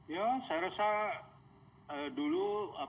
ya saya rasa dulu